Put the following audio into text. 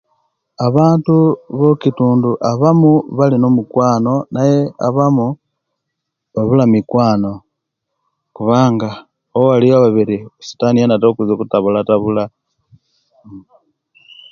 Abantu abokitundu abamu balina omokwano naye abamu babula mikwana kubanga owali ababiri sitani yena atira okwiza okutabula tabula